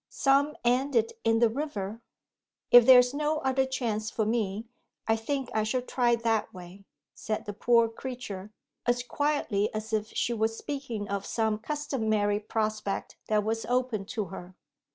Some end it in the river. If there is no other chance for me, I think I shall try that way," said the poor creature, as quietly as if she was speaking of some customary prospect that was open to her.